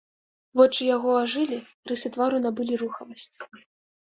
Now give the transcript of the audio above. Вочы яго ажылі, рысы твару набылі рухавасць.